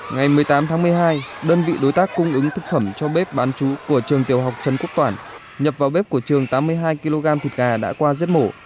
ngày một mươi tám tháng một mươi hai đơn vị đối tác cung ứng thực phẩm cho bếp bán chú của trường tiểu học trần quốc toản nhập vào bếp của trường tám mươi hai kg thịt gà đã qua giết mổ